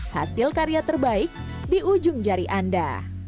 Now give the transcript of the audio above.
hasil karya terbaik di ujung jari anda